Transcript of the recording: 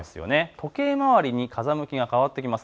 時計回りに風向きが変わってきます。